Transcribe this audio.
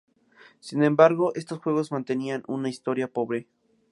Sin embargo, estos juegos mantenían aún una historia pobre.